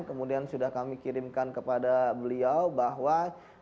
kemudian sudah kami kirimkan kepada beliau bahwa